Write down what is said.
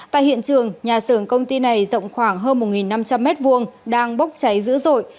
tại hiện trường nhà xưởng công ty này rộng khoảng hơn một năm trăm linh m hai đang bốc cháy dữ dội